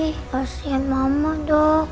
kasian mama dok